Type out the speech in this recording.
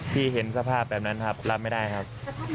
เห็นสภาพแบบนั้นครับรับไม่ได้ครับ